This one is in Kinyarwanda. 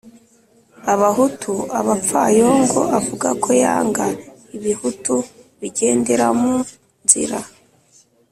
abahutu abapfayongo avuga ko yanga “ibihutu bigenderamu nzira